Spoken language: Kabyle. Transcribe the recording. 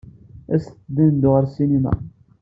Aset-d ad neddu ɣer ssinima!